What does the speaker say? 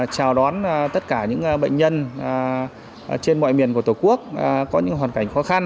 chào đón tất cả những bệnh nhân trên mọi miền của tổ quốc có những hoàn cảnh khó khăn